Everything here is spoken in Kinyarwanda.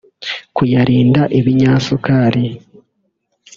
kuyarinda ibinyasukari